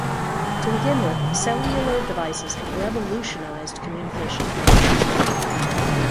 To begin with, cellular devices have revolutionized communication.